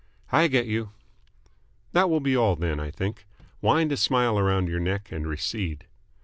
"I get you." "That will be all then, I think. Wind a smile around your neck and recede."